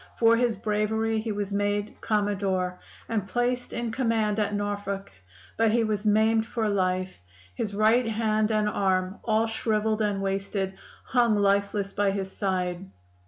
For his bravery he was made Commodore, and placed in command at Norfolk; but he was maimed for life; his right hand and arm, all shriveled and wasted, hung lifeless by his side.